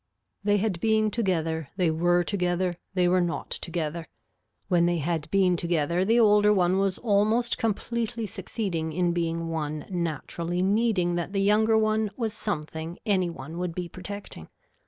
They had been together, they were together, they were not together. When they had been together the older one was almost completely succeeding in being one naturally needing that the younger one was something any one would be protecting.